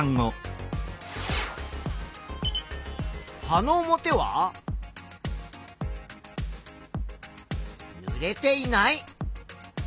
葉の表はぬれていない。